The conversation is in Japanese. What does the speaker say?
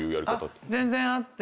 全然あって。